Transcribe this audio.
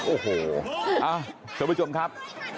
โอ้โหโชคผู้ชมครับ